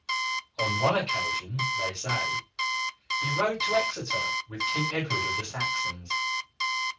On one occasion, they say, he rode to Exeter with King Edward of the Saxons.